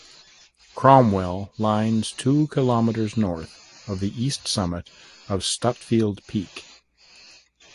Cromwell lines two kilometers north of the east summit of Stutfield Peak.